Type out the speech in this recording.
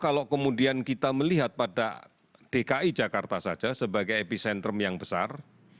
kalau kemudian kita melihat pada dki jakarta saja sebagai epicentrum yang besar